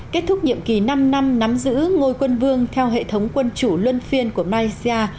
kết thúc nhiệm kỳ năm năm nắm giữ ngôi quân vương theo hệ thống quân chủ luân phiên của malaysia